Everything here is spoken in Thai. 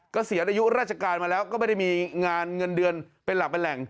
เกษียณอายุราชการมาแล้วก็ไม่ได้มีงานเงินเดือนเป็นหลักเป็นแหล่ง